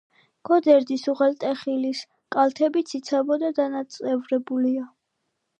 გოდერძის უღელტეხილის კალთები ციცაბო და დანაწევრებულია.